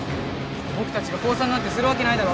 ぼくたちがこうさんなんてするわけないだろ！